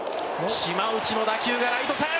島内の打球がライト線！